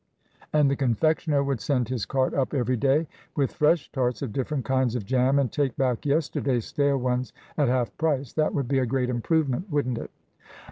And the confectioner would send his cart up every day with fresh tarts of different kinds of jam, and take back yesterday's stale ones at half price. That would be a great improvement, wouldn't it?"